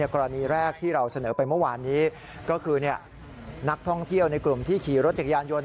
กรณีแรกที่เราเสนอไปเมื่อวานนี้ก็คือนักท่องเที่ยวในกลุ่มที่ขี่รถจักรยานยนต์